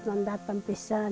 orang datang pisah